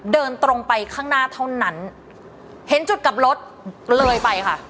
เดินตรงไปข้างหน้าเท่านั้นเห็นจุดกลับรถเลยไปค่ะ